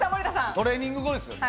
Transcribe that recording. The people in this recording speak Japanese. トレーニング後ですよね。